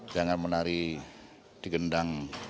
jangan menari di gendang